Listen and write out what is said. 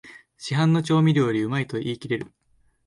市販の調味料よりうまいと言いきれる